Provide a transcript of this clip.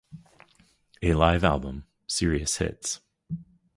A live album, Serious Hits...